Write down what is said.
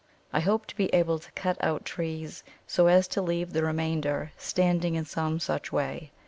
I hope to be able to cut out trees so as to leave the remainder standing in some such way.